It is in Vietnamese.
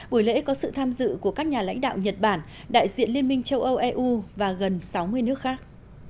buổi lễ có sự tham dự của các nhà lãnh đạo nhật bản đại diện liên minh châu âu eu và gần sáu mươi nước khác